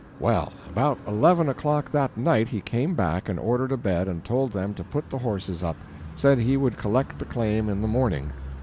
"Well, about eleven o'clock that night he came back and ordered a bed and told them to put the horses up said he would collect the claim in the morning.